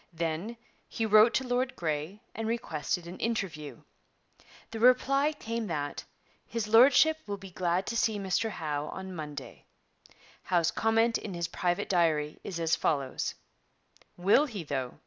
Then he wrote to Lord Grey and requested an interview. The reply came that 'His Lordship will be glad to see Mr Howe on Monday.' Howe's comment in his private diary is as follows: 'Will he, though?